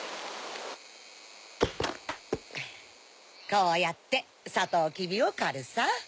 こうやってサトウキビをかるさ。